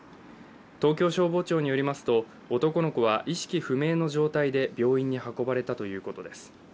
東京消防庁によりますと、男の子は意識不明の状態で病院に運ばれたということです。